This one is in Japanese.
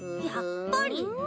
やっぱりん？